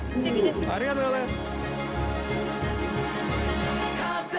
ありがとうございます。